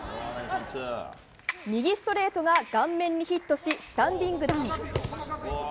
右ストレートが顔面にヒットしスタンディングダウン。